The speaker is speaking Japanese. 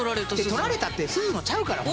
「とられた」ってすずのちゃうから！